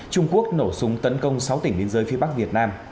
trung quốc nổ súng tấn công sáu tỉnh biên giới phía bắc việt nam